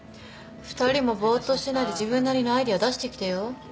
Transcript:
２人もぼっとしてないで自分なりのアイデア出してきてよ。